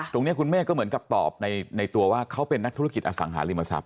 คุณแม่ก็เหมือนกับตอบในตัวว่าเขาเป็นนักธุรกิจอสังหาริมทรัพ